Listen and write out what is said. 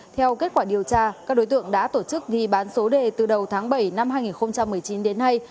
theo kết quả điều tra các đối tượng đã tổ chức ghi bán số đề từ đầu tháng bảy năm hai nghìn một mươi chín đến nay